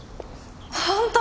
本当！？